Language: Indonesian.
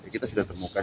kita sudah temukan